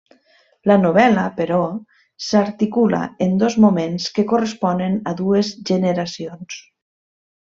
La novel·la, però, s'articula en dos moments que corresponen a dues generacions.